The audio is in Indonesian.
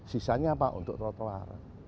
sisanya apa untuk rotoar